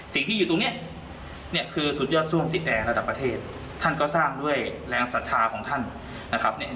ที่อยู่ตรงเนี้ยเนี่ยคือสุดยอดซ่วมติดแดงระดับประเทศท่านก็สร้างด้วยแรงศรัทธาของท่านนะครับเนี่ย